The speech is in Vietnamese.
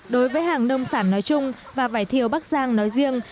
đối với hàng nông sản nói chung và vải thiều bắc giang nói riêng